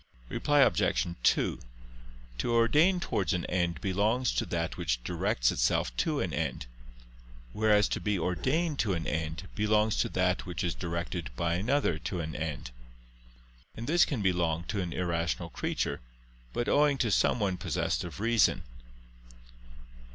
Reply Obj. 2: To ordain towards an end belongs to that which directs itself to an end: whereas to be ordained to an end belongs to that which is directed by another to an end. And this can belong to an irrational nature, but owing to some one possessed of reason.